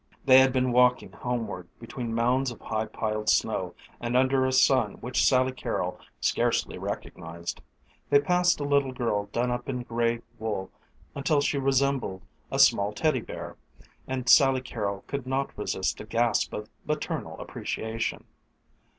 They had been walking homeward between mounds of high piled snow and under a sun which Sally Carrol scarcely recognized. They passed a little girl done up in gray wool until she resembled a small Teddy bear, and Sally Carrol could not resist a gasp of maternal appreciation.